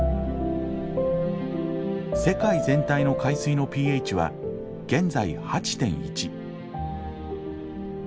世界全体の海水のｐＨは現在８．１。